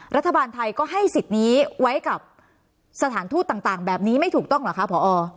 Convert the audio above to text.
รัฐบาลไทยก็ให้สิทธิ์นี้ไว้กับสถานทูตต่างแบบนี้ไม่ถูกต้องเหรอคะพอ